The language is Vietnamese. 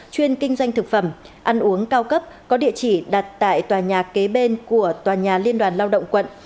chuyên kinh doanh thực phẩm ăn uống cao cấp có địa chỉ đặt tại tòa nhà kế bên của tòa nhà liên đoàn lao động quận